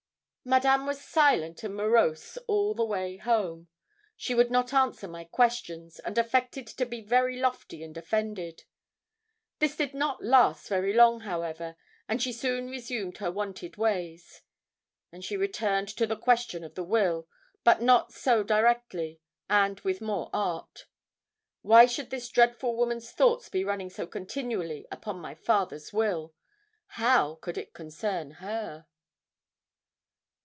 Madame was silent and morose all the way home. She would not answer my questions, and affected to be very lofty and offended. This did not last very long, however, and she soon resumed her wonted ways. And she returned to the question of the will, but not so directly, and with more art. Why should this dreadful woman's thoughts be running so continually upon my father's will? How could it concern her?